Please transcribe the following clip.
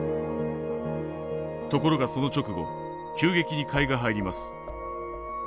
ところがその直後急激に買いが入ります。